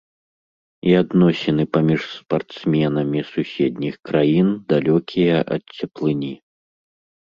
І адносіны паміж спартсменамі суседніх краін далёкія ад цеплыні.